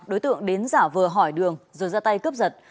đối tượng đến giả vờ hỏi đường rồi ra tay cướp giật